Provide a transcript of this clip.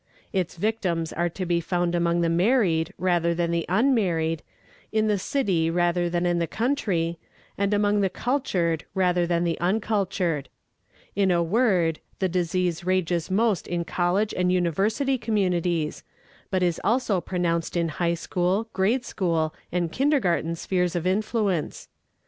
Its victims are to be found among the married rather than the unmarried, in the city rather than in the country, and among the cultured rather than the uncultured. In a word, the disease rages most in college and university communities, but is also pronounced in high school, grade school, and kindergarten spheres of influence.